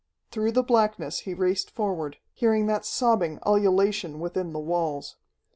Through the blackness he raced forward, hearing that sobbing ululation within the walls.